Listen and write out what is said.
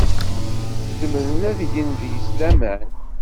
Zemren ad gen deg-s laman.